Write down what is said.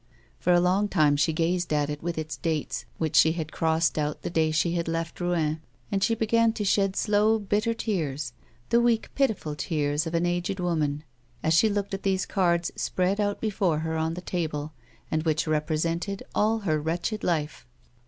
For a long time she gazed at it with its dates which she had crossed out the day she had left Rouen, and she began to shed slow, bitter tears — the weak, pitiful tears of an aged woman — as she looked at these cards spread out before her on the table, and which represented all her wretched life.